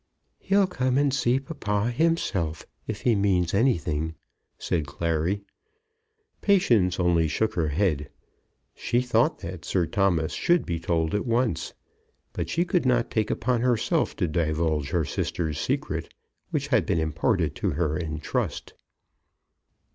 "He'll come and see papa himself, if he means anything," said Clary. Patience only shook her head. She thought that Sir Thomas should be told at once; but she could not take upon herself to divulge her sister's secret, which had been imparted to her in trust.